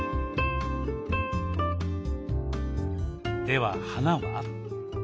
では花は？